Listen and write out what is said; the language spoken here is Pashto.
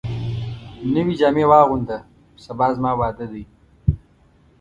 نوي جامي واغونده ، سبا زما واده دی